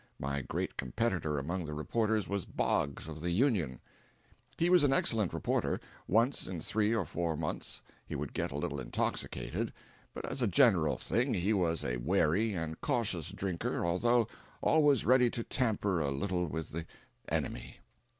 My great competitor among the reporters was Boggs of the Union. He was an excellent reporter. Once in three or four months he would get a little intoxicated, but as a general thing he was a wary and cautious drinker although always ready to tamper a little with the enemy.